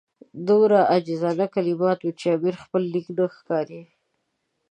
دومره عاجزانه کلمات وو چې د امیر خپل لیک نه ښکاري.